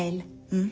うん？